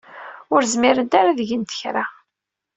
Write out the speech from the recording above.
Ur zmirent ara ad gent kra.